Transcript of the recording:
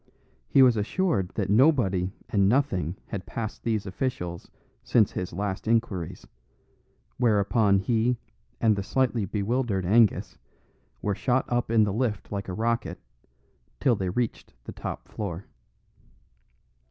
He was assured that nobody and nothing had passed these officials since his last inquiries; whereupon he and the slightly bewildered Angus were shot up in the lift like a rocket, till they reached the top floor.